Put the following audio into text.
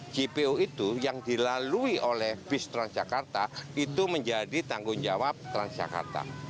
jpo itu yang dilalui oleh bus transjakarta itu menjadi tanggung jawab transjakarta